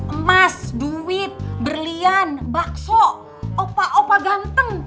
emas duit berlian bakso opa opa ganteng